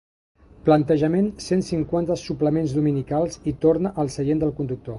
Plantejament cent cinquanta suplements dominicals i torna al seient del conductor.